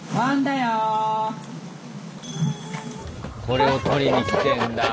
これを撮りに来てんだ。